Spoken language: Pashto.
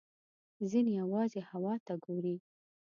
ځینې یوازې هوا ته ګوري.